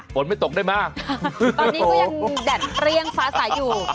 ฝนไม่ตกได้มาตอนนี้ก็ยังแดดเปรี้ยงฟ้าสายอยู่